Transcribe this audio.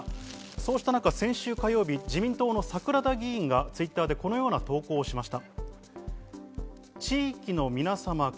そうしたなか先週火曜日、自民党の桜田議員がＴｗｉｔｔｅｒでこのような投稿をしました。